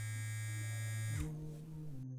আরে গোরুর জন্য কীসের প্রশ্ন আবার!